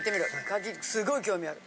柿すごい興味ある。